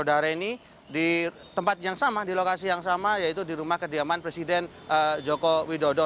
dan juga midodot ini di tempat yang sama di lokasi yang sama yaitu di rumah kediaman presiden joko widodo